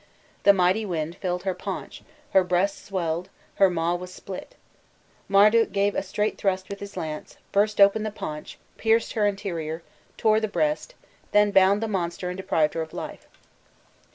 The mighty wind filled her paunch, her breast swelled, her maw was split. Marduk gave a straight thrust with his lance, burst open the paunch, pierced the interior, tore the breast, then bound the monster and deprived her of life.